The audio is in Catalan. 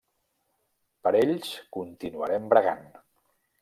Per ells continuarem bregant.